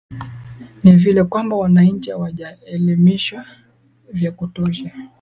ni vile kwamba wananchi hawajaelimishwa vya kutosha